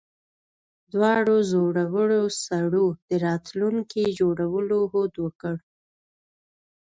دواړو زړورو سړو د راتلونکي جوړولو هوډ وکړ